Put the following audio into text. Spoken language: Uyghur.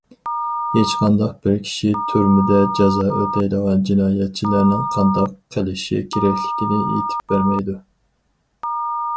ھېچ قانداق بىر كىشى تۈرمىدە جازا ئۆتەيدىغان جىنايەتچىلەرنىڭ قانداق قىلىشى كېرەكلىكىنى ئېيتىپ بەرمەيدۇ.